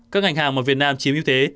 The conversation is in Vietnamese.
các ngành hàng mà việt nam chiếm ưu thế